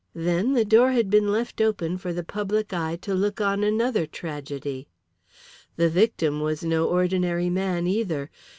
Then the door had been left open for the public eye to look on another tragedy. The victim was no ordinary man either.